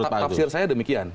tafsir saya demikian